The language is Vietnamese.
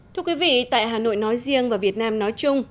thưa quý vị tại hà nội nói riêng và việt nam nói chung